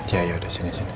ya yaudah sini sini